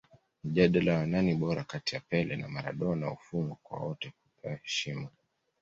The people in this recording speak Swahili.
mjadala wa nani bora kati ya pele na maradona ufungwe kwa wote kupewa heshima